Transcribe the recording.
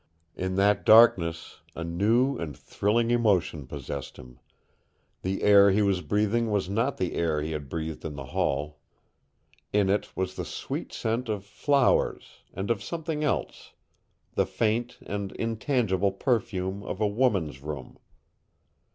In that darkness a new and thrilling emotion possessed him. The air he was breathing was not the air he had breathed in the hall. In it was the sweet scent of flowers, and of something else the faint and intangible perfume of a woman's room.